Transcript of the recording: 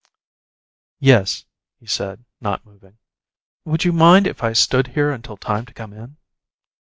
"Yes," he said, not moving. "Would you mind if I stood here until time to come in?"